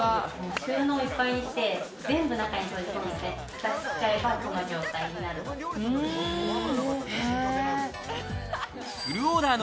収納いっぱいにして、全部中に閉じ込めて蓋しちゃえば、この状態になるので。